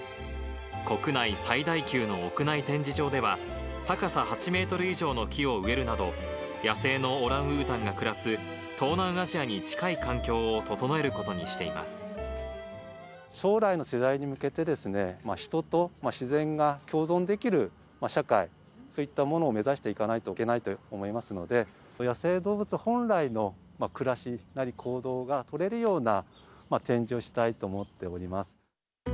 国内最大級の屋内展示場では、高さ８メートル以上の木を植えるなど、野生のオランウータンが暮らす東南アジアに近い環境を整えること将来の世代に向けて、人と自然が共存できる社会、そういったものを目指していかないといけないと思いますので、野生動物本来の暮らしなり行動が取れるような展示をしたいと思っております。